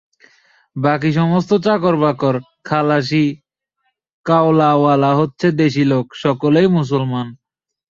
বাকী সমস্ত চাকর-বাকর, খালাসী, কয়লাওয়ালা হচ্ছে দেশী লোক, সকলেই মুসলমান।